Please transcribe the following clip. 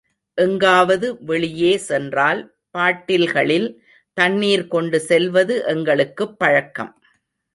எங்காவது வெளியே சென்றால் பாட்டில்களில் தண்ணீர் கொண்டு செல்வது எங்களுக்குப் பழக்கம்.